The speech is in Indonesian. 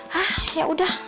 hah ya udah